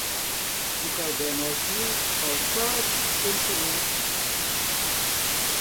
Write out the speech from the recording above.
Um caderno azul, pautado e sem uso.